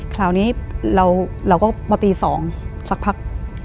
คราวนี้เราก็มาตี๒สักพัก